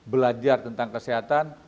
belajar tentang kesehatan